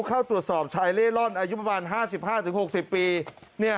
เข้าตรวจสอบชายเล่ร่อนอายุประมาณ๕๕๖๐ปี